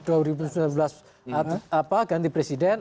apakah misalnya dua ribu sembilan belas ganti presiden